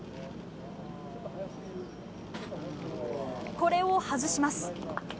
これを外します。